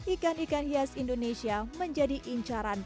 ikan ikan hias indonesia menjadi incaran